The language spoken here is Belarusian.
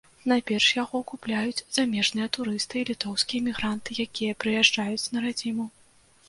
Найперш яго купляюць замежныя турысты і літоўскія эмігранты, якія прыязджаюць на радзіму.